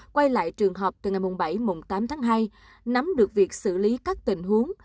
quay lại trường học từ ngày bảy tám tháng hai nắm được việc xử lý các tình huống